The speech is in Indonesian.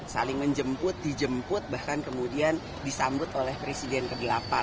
saling menjemput dijemput bahkan kemudian disambut oleh presiden ke delapan